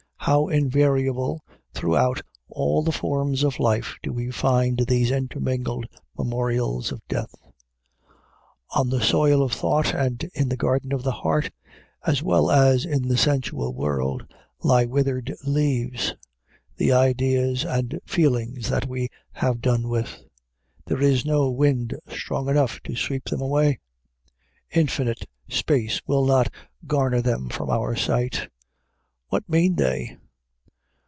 How invariable throughout all the forms of life do we find these intermingled memorials of death! On the soil of thought and in the garden of the heart, as well as in the sensual world, lie withered leaves the ideas and feelings that we have done with. There is no wind strong enough to sweep them away; infinite space will not garner them from our sight. What mean they?